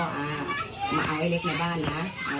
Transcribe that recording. บอกว่าพ่ออ๋อมาอ้ายเล็กในบ้านนะใช่ไหม